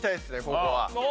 ここは。